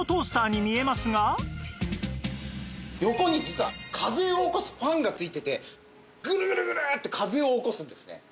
横に実は風を起こすファンが付いててグルグルグルッて風を起こすんですね。